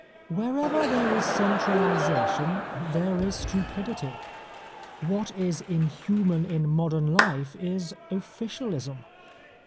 Wherever there is centralisation there is stupidity. What is inhuman in modern life is officialism.